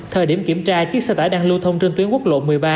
thời điểm kiểm tra chiếc xe tải đang lưu thông trên tuyến quốc lộ một mươi ba